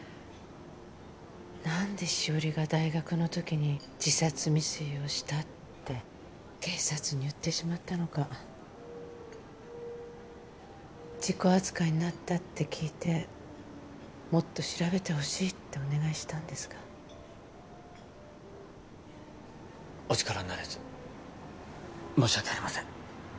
何でしおりが大学の時に自殺未遂をしたって警察に言ってしまったのか事故扱いになったって聞いてもっと調べてほしいってお願いしたんですがお力になれず申し訳ありません